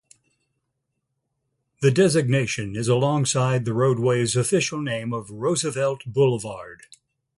The designation is alongside the roadway's official name of Roosevelt Boulevard.